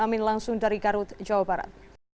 amin langsung dari garut jawa barat